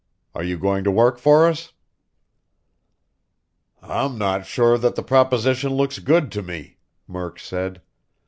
Are you going to work for us?" "I'm not sure that the proposition looks good to me," Murk said.